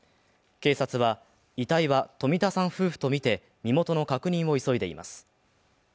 警察は、遺体は冨田さん夫婦とみて身元の確認を急いでいます。